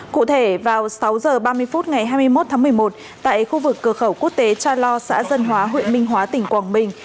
cụ thể vào sáu h ba mươi phút ngày hai mươi một tháng một mươi một tại khu vực cửa khẩu quốc tế cha lo xã dân hóa huyện minh hóa tỉnh quảng bình